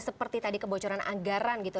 seperti tadi kebocoran anggaran gitu